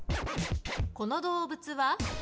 この動物は？